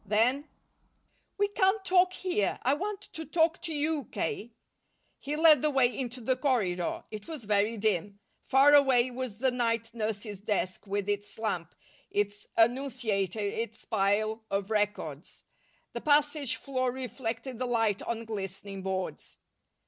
Then: "We can't talk here. I want to talk to you, K." He led the way into the corridor. It was very dim. Far away was the night nurse's desk, with its lamp, its annunciator, its pile of records. The passage floor reflected the light on glistening boards.